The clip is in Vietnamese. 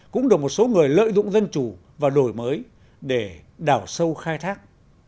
cũng được một số người lợi dụng dân chủ và đổi mới để đảo sâu khai thác